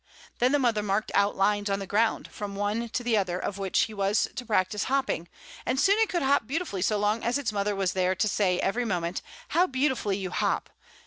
Then the mother marked out lines on the ground, from one to the other of which it was to practise hopping, and soon it could hop beautifully so long as its mother was there to say every moment, "How beautifully you hop!"